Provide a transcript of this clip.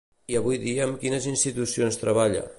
I avui dia amb quines institucions treballa?